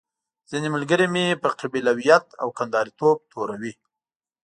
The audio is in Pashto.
ځينې ملګري مې په قبيلويت او کنداريتوب توروي.